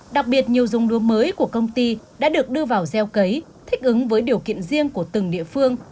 đặc biệt nhiều dông lúa mới của công ty đã được đưa vào gieo cấy thích ứng với điều kiện riêng của từng địa phương